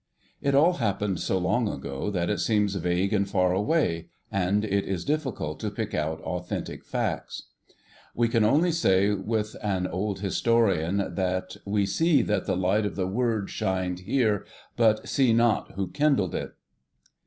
It all happened so long ago that it seems vague and far away, and it is difficult to pick out authentic facts. We can only say with an old historian, that 'we see that the Light of the Word shined here, but see not who kindled it.